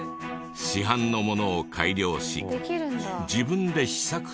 市販のものを改良し自分で試作品を作り。